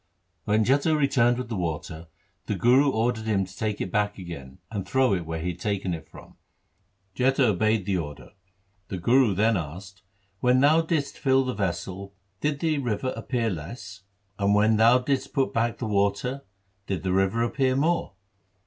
When Jetha returned with the water, the Guru ordered him to take it. back again, and throw it where he had taken it from. Jetha obeyed the order. The Guru then asked, ' When thou didst fill the vessel did the river appear less ; and when thou didst put back the water did the river appear more